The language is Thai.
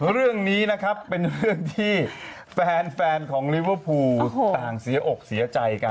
เรื่องนี้นะครับเป็นเรื่องที่แฟนของลิเวอร์พูลต่างเสียอกเสียใจกัน